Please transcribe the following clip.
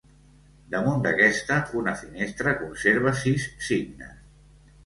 Damunt d'aquesta, una finestra conserva sis signes.